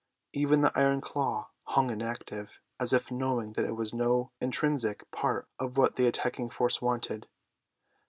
Even the iron claw hung inactive; as if knowing that it was no intrinsic part of what the attacking force wanted.